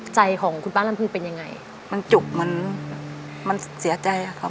ใจของคุณป้าลำพุนเป็นยังไงมันจุบมันมันเสียใจค่ะ